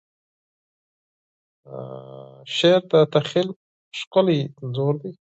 شعر د تخیل ښکلی انځور دی.